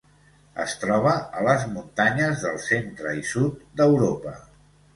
Es troba a les muntanyes del centre i sud d'Europa.